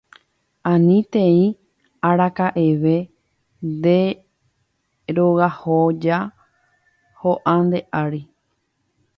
Anitéi araka'eve nde rogahoja ho'a nde ári